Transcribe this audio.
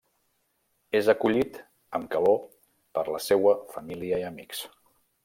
És acollit amb calor per la seua família i amics.